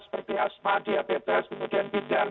seperti asma diabetes kemudian ginjal